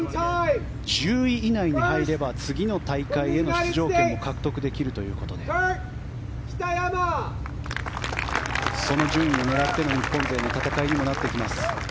１０以内に入れば次の大会への出場権も獲得できるということでその順位を狙っての日本勢の戦いにもなります。